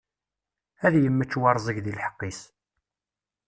Ad yemmečč warẓeg deg lḥeqq-is.